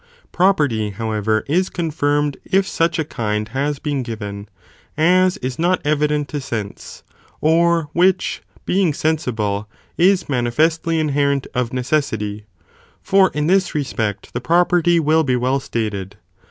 Property, however, is confirmed if such a kind has been given, as is not evident to sense, or which, being sensible, is mani festly inherent of necessity, for in this respect the property will be well stated.